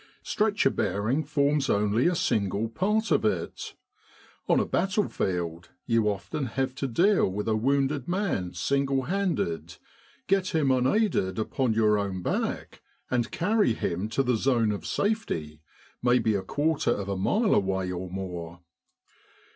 Stretcher bearing forms only a single part of it. On a battlefield you often have to deal with a wounded man single handed get him un aided upon your own back and carry him to the zone of safety, may be a quarter of a mile away or more.